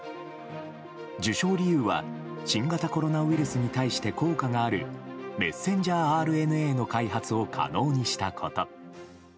受賞理由は新型コロナウイルスに対して効果があるメッセンジャーＲＮＡの開発を可能にしたこと。